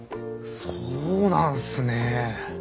そうなんすね。